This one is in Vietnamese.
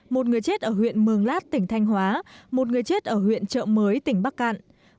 một người chết ở huyện mường lát tỉnh thanh hóa một người chết ở huyện trợ mới tỉnh bắc cạn